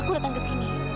aku datang ke sini